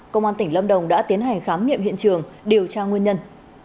công an tỉnh lâm đồng đã tiến hành khám nghiệm hiện trường điều tra nguyên nhân